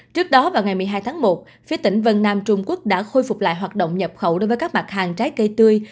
trước đó vào ngày một mươi hai tháng một phía tỉnh vân nam trung quốc đã khôi phục lại hoạt động nhập khẩu đối với các mặt hàng trái cây tươi